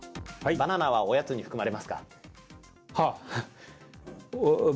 バナナはおやつに含まれるか？